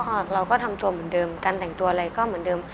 เราก็ทำตัวเหมือนเดิมการแต่งตัวอะไรก็เหมือนเดิม